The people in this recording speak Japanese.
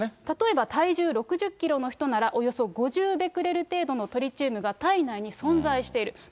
例えば体重６０キロの人なら、およそ５０ベクレル程度のトリチウムが体内に存在している。